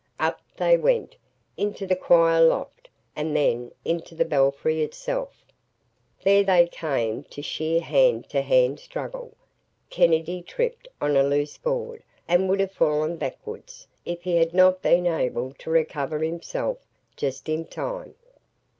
Up they went, into the choir loft and then into the belfry itself. There they came to sheer hand to hand struggle. Kennedy tripped on a loose board and would have fallen backwards, if he had not been able to recover himself just in time.